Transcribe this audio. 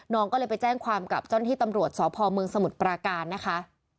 น้องก็เลยไปแจ้งความกับเจ้าหน้าที่ตำรวจสพเมืองสมุทรปราการนะคะ